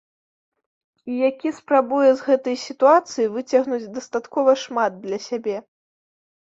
І які спрабуе з гэтай сітуацыі выцягнуць дастаткова шмат для сябе.